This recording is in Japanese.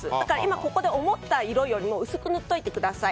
ここで思った色よりも薄く塗ってください。